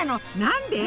何で？